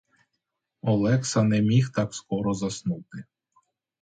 Олекса не міг так скоро заснути.